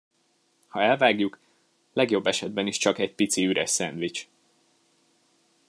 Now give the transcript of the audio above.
Ha elvágjuk, legjobb esetben is csak egy pici üres szendvics.